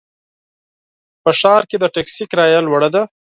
په ښار کې د ټکسي کرایه لوړه ده.